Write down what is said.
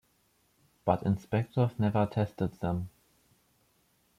But inspectors never tested them.